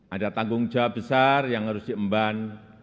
ada tanggung jawab besar yang harus diemban